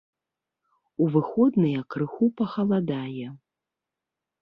У выходныя крыху пахаладае.